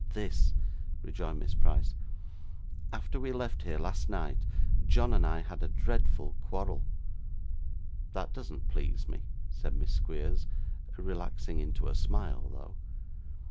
'This,' rejoined Miss Price. 'After we left here last night John and I had a dreadful quarrel.' 'That doesn't please me,' said Miss Squeers relaxing into a smile though.